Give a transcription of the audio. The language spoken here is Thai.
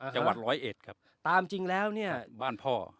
จังหวัดร้อยเอ็ดครับตามจริงแล้วเนี่ยบ้านพ่อ